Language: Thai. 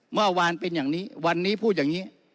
เมื่อวานเป็นอย่างนี้วันนี้พูดอย่างนี้